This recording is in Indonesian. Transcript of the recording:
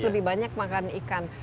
lebih banyak makan ikan